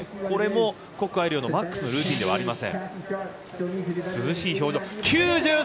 これも谷愛凌のマックスのルーティンではありません。